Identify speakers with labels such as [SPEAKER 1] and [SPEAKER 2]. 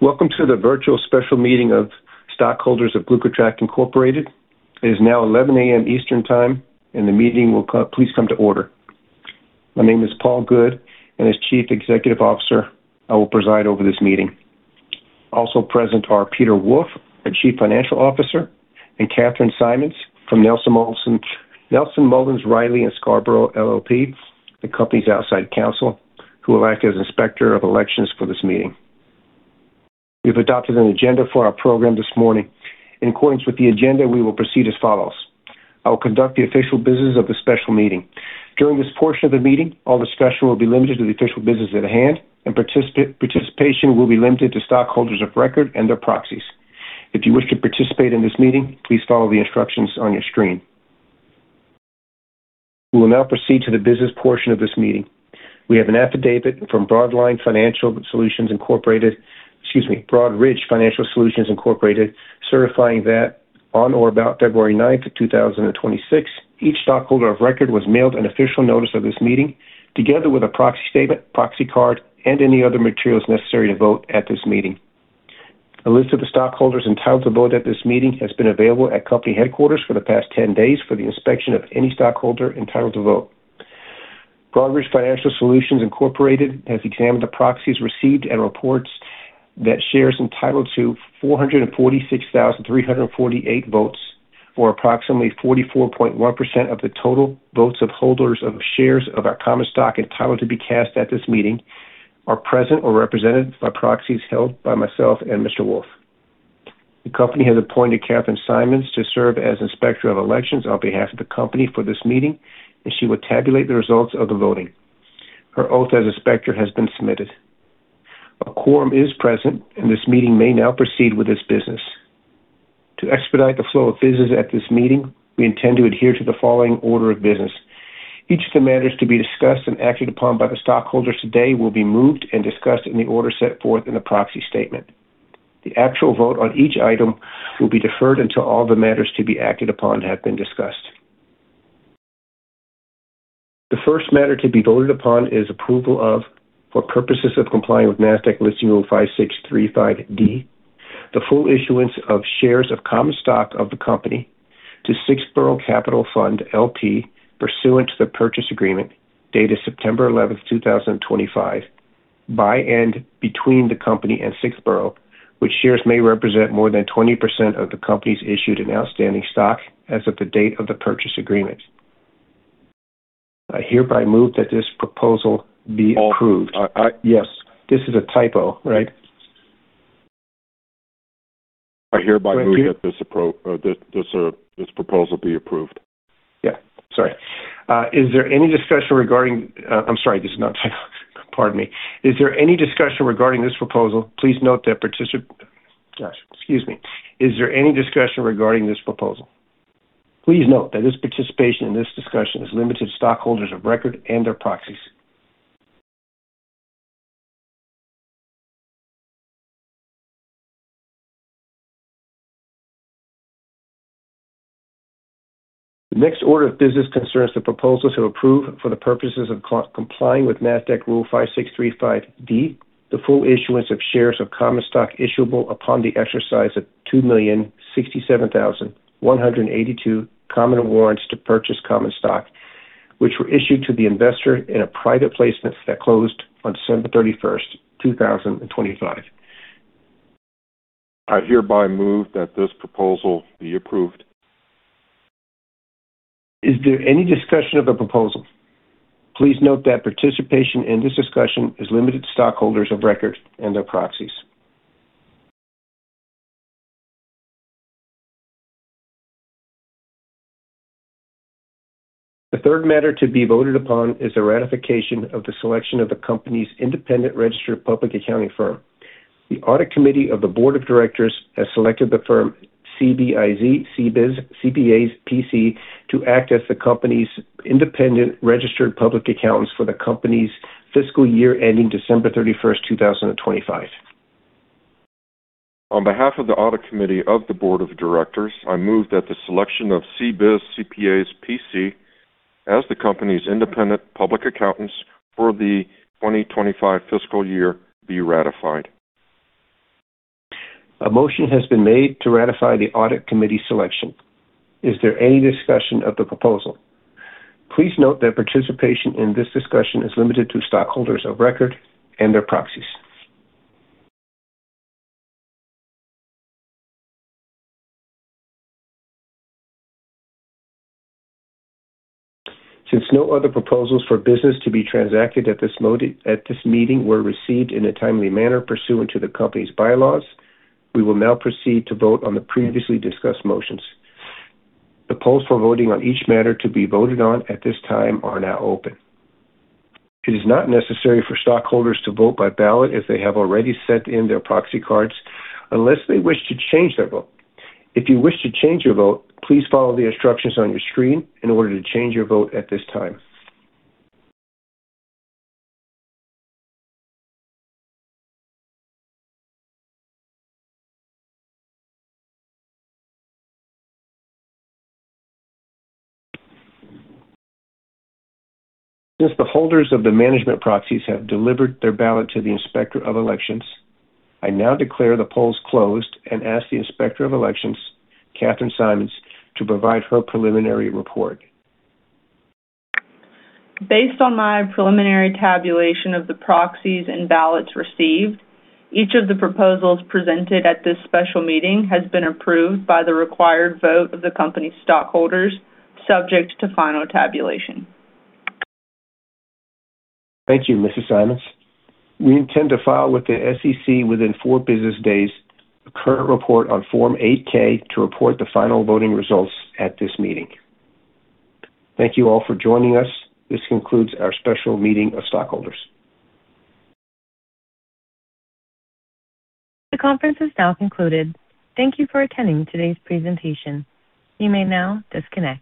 [SPEAKER 1] Welcome to the virtual special meeting of stockholders of GlucoTrack, Inc. It is now 11 A.M. Eastern Time, and the meeting will please come to order. My name is Paul Goode, and as Chief Executive Officer, I will preside over this meeting. Also present are Peter Wulff, the Chief Financial Officer, and Kathryn Simons from Nelson Mullins Riley & Scarborough LLP, the company's outside counsel, who will act as Inspector of Elections for this meeting. We've adopted an agenda for our program this morning. In accordance with the agenda, we will proceed as follows. I will conduct the official business of the special meeting. During this portion of the meeting, all discussion will be limited to the official business at hand, and participation will be limited to stockholders of record and their proxies. If you wish to participate in this meeting, please follow the instructions on your screen. We will now proceed to the business portion of this meeting. We have an affidavit from Broadridge Financial Solutions, Inc., certifying that on or about February 9th, 2026, each stockholder of record was mailed an official notice of this meeting, together with a proxy statement, proxy card, and any other materials necessary to vote at this meeting. A list of the stockholders entitled to vote at this meeting has been available at company headquarters for the past 10 days for the inspection of any stockholder entitled to vote. Broadridge Financial Solutions, Inc. has examined the proxies received and reports that shares entitled to 446,348 votes, or approximately 44.1% of the total votes of holders of shares of our common stock entitled to be cast at this meeting, are present or represented by proxies held by myself and Mr. Wulff. The company has appointed Kathryn Simons to serve as Inspector of Elections on behalf of the company for this meeting, and she will tabulate the results of the voting. Her oath as inspector has been submitted. A quorum is present, and this meeting may now proceed with its business. To expedite the flow of business at this meeting, we intend to adhere to the following order of business. Each of the matters to be discussed and acted upon by the stockholders today will be moved and discussed in the order set forth in the proxy statement. The actual vote on each item will be deferred until all the matters to be acted upon have been discussed. The first matter to be voted upon is approval of, for purposes of complying with Nasdaq Listing Rule 5635(d), the full issuance of shares of common stock of the company to Sixth Borough Capital Fund, LP pursuant to the purchase agreement dated September 11th, 2025, by and between the company and Sixth Borough, which shares may represent more than 20% of the company's issued and outstanding stock as of the date of the purchase agreement. I hereby move that this proposal be approved. Yes, this is a typo, right?
[SPEAKER 2] I hereby move that this proposal be approved.
[SPEAKER 1] Sorry. Is there any discussion regarding this proposal? Please note that his participation in this discussion is limited to stockholders of record and/or proxies. The next order of business concerns the proposal to approve for the purposes of complying with Nasdaq Rule 5635(d) the full issuance of shares of common stock issuable upon the exercise of 2,067,182 common warrants to purchase common stock which were issued to the investor in a private placement that closed on December 31st, 2025.
[SPEAKER 2] I hereby move that this proposal be approved.
[SPEAKER 1] Is there any discussion of the proposal? Please note that participation in this discussion is limited to stockholders of record and/or proxies. The third matter to be voted upon is the ratification of the selection of the company's independent registered public accounting firm. The audit committee of the board of directors has selected the firm CBIZ CPAs P.C. to act as the company's independent registered public accountants for the company's fiscal year ending December 31st, 2025.
[SPEAKER 2] On behalf of the audit committee of the board of directors, I move that the selection of CBIZ CPAs P.C. as the company's independent public accountants for the 2025 fiscal year be ratified.
[SPEAKER 1] A motion has been made to ratify the audit committee selection. Is there any discussion of the proposal? Please note that participation in this discussion is limited to stockholders of record and/or proxies. Since no other proposals for business to be transacted at this meeting were received in a timely manner pursuant to the company's bylaws, we will now proceed to vote on the previously discussed motions. The polls for voting on each matter to be voted on at this time are now open. It is not necessary for stockholders to vote by ballot if they have already sent in their proxy cards unless they wish to change their vote. If you wish to change your vote, please follow the instructions on your screen in order to change your vote at this time. Since the holders of the management proxies have delivered their ballot to the Inspector of Elections, I now declare the polls closed and ask the Inspector of Elections, Kathryn Simons, to provide her preliminary report.
[SPEAKER 3] Based on my preliminary tabulation of the proxies and ballots received, each of the proposals presented at this special meeting has been approved by the required vote of the company's stockholders, subject to final tabulation.
[SPEAKER 1] Thank you, Mrs. Simons. We intend to file with the SEC within four business days a current report on Form 8-K to report the final voting results at this meeting. Thank you all for joining us. This concludes our special meeting of stockholders.
[SPEAKER 4] The conference is now concluded. Thank you for attending today's presentation. You may now disconnect.